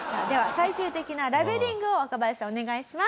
最終的なラベリングを若林さんお願いします。